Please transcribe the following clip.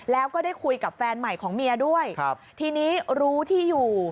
แล้วก็ได้คุยกับแฟนใหม่ของเมียด้วยครับทีนี้รู้ที่อยู่